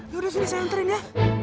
yaudah sini saya anterin ya